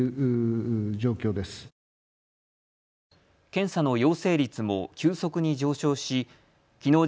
検査の陽性率も急速に上昇しきのう